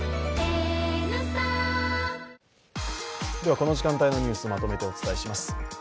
この時間帯のニュース、まとめてお伝えします。